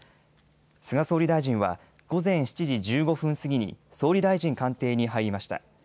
菅総理大臣は午前７時１５分過ぎに総理大臣官邸に入りました。